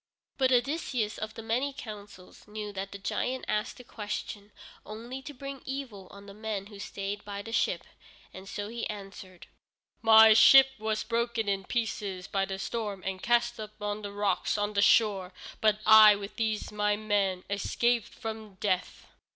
But Odysseus of the many counsels knew that the giant asked the question only to bring evil on the men who stayed by the ship, and so he answered: "My ship was broken in pieces by the storm and cast up on the rocks on the shore, but I, with these my men, escaped from death."